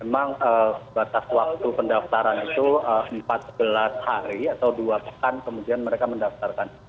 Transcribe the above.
memang batas waktu pendaftaran itu empat belas hari atau dua pekan kemudian mereka mendaftarkan